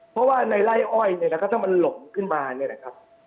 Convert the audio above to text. เพราะว่าในไล่อ้อยเนี่ยนะครับถ้ามันหลงขึ้นมาเนี่ยนะครับ